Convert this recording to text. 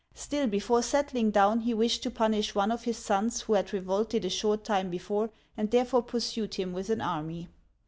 Still, before settling down, he wished to punish one of his sons, who had revolted a short time before, and therefore pursued him with an army.